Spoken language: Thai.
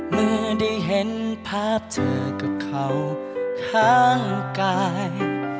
เมื่อได้เห็นภาพเจอกับเขาข้างกาย